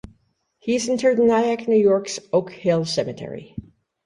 He is interred in Nyack, New York's Oak Hill Cemetery.